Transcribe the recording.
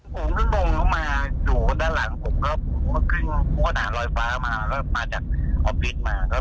พอเขาก็ไม่รู้ว่าไงเขาก็กลับพื้นมาอีอีแล้วก็มาพาดครับผมเลย